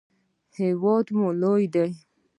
هیواد مو لوی ده.